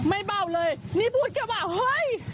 ไม่เบาเลยนี่พูดเขามาเฮ้ย